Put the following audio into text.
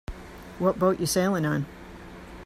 What boat you sailing on?